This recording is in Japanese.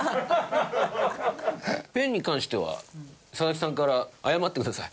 ペンに関しては佐々木さんから謝ってください。